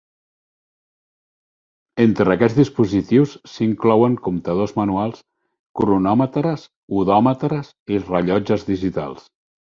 Entre aquests dispositius s'inclouen comptadors manuals, cronòmetres, hodòmetres i rellotges digitals.